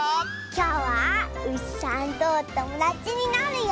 きょうはうしさんとおともだちになるよ！